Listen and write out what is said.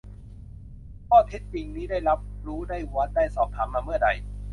ข้อเท็จจริงนี้ ได้รับรู้ ได้วัด ได้สอบถาม มาเมื่อใด